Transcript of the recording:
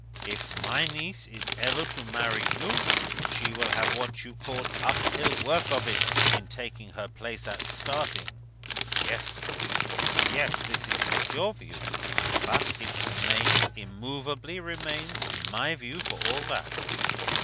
if my niece is ever to marry you, she will have what you call uphill work of it in taking her place at starting. Yes, yes; this is not your view, but it remains, immovably remains, my view for all that.